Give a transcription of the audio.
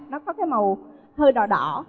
nó có cái màu hơi đỏ đỏ